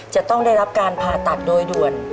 จะต้องได้รับการผ่าตัดโดยด่วน